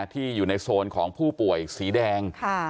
ที่อยู่ในโซนของผู้ป่วยสีแดง